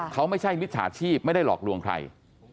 เขาไม่ใช่มิจฉาชีพไม่ได้หลอกลวงใคร